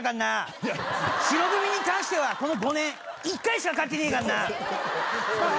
白組に関してはこの５年１回しか勝ってねえかんな！